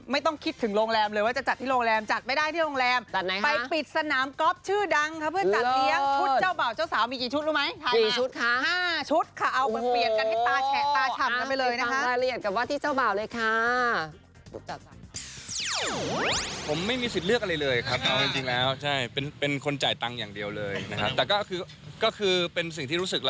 ไม่ต้องคิดถึงโรงแรมเลยว่าจะจัดที่โรงแรม